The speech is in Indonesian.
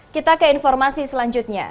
kita ke informasi selanjutnya